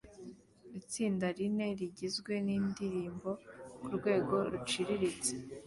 Itsinda rine rigizwe nindirimbo kurwego ruciriritse